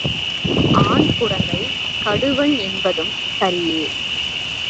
On குரங்கைக் கடுவன் என்பதும் சரியே.